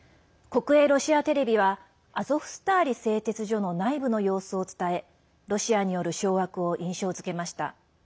国営ロシアテレビはアゾフスターリ製鉄所の内部の様子を伝えロシアによる掌握を印象づけました。